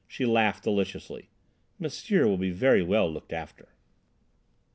She laughed deliciously. "M'sieur shall be well looked after."